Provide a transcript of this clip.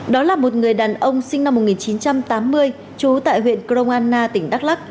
đó là một người đàn ông sinh năm một nghìn chín trăm tám mươi chú tại huyện kroana tỉnh đắk lắc